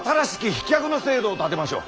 飛脚の制度を立てましょう。